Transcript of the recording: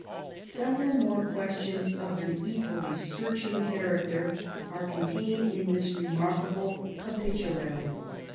" Several more questions of an equally searching character are contained in this remarkable Capitulary.